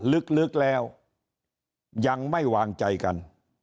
ลึกแล้วยังไม่วางใจกัน